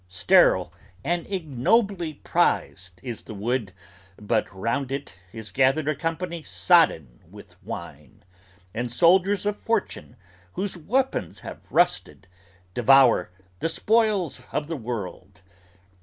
Sterile and ignobly prized is the wood But round it is gathered a company sodden with wine; And soldiers of fortune whose weapons have rusted, devour The spoils of the world.